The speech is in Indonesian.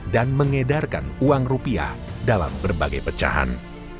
dan mengedarkan uang rupiah dalam berbagai pecahan